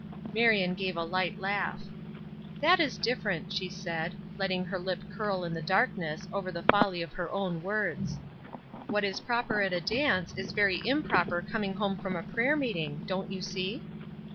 Marion gave a light laugh. "That is different," she said, letting her lip curl in the darkness over the folly of her own words. "What its proper at a dance in very improper coming home from prayer meeting, don't you see?"